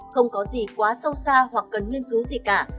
không có gì quá sâu xa hoặc cần nghiên cứu gì cả